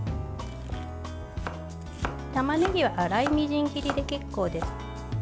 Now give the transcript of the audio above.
たまねぎは粗いみじん切りで結構です。